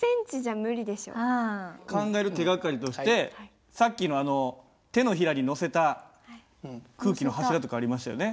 考える手がかりとしてさっきの手のひらに載せた空気の柱とかありましたよね。